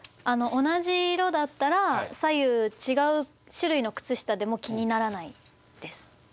同じ色だったら左右違う種類の靴下でも気にならないです。